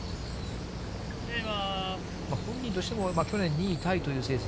本人としても去年２位タイという成績。